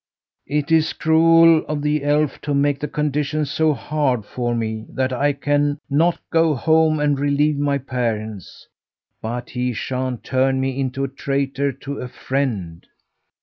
"It is cruel of the elf to make the conditions so hard for me that I can not go home and relieve my parents, but he sha'n't turn me into a traitor to a friend!